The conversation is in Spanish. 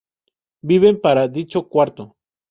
Viven para dicho cuarto.